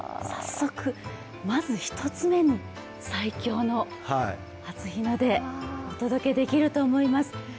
まず１つ目に最強の初日の出お届けできると思います。